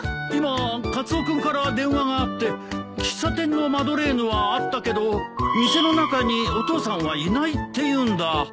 今カツオ君から電話があって喫茶店のマドレーヌはあったけど店の中にお父さんはいないっていうんだ。